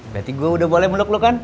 berarti gue udah boleh meluk lo kan